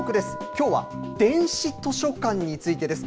きょうは、電子図書館についてです。